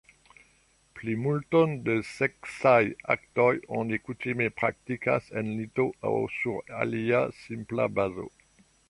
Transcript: Plimulton de seksaj aktoj oni kutime praktikas en lito aŭ sur alia simpla bazo.